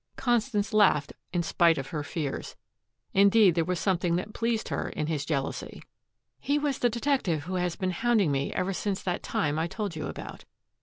Constance laughed in spite of her fears. Indeed, there was something that pleased her in his jealousy. "He was the detective who has been hounding me ever since that time I told you about."